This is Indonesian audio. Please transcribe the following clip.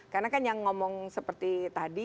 karena kan yang ngomong seperti tadi